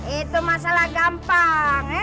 itu masalah gampang